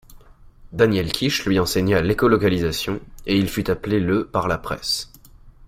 Daniel Kish lui enseigna l'écholocalisation, et il fut appelé le par la presse.